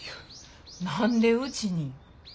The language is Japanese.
何でうちに？